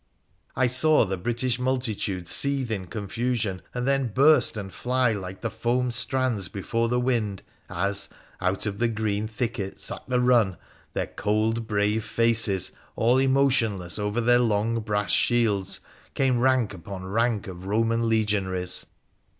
I saw the British multitude seethe in confusion and then burst and fly like the foam strands before the wind, as, out of the green thickets, at the run, their cold, brave faces all emotionless over their long brass shields, came rank upon rank of Roman legionaries.